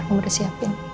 mama udah siapin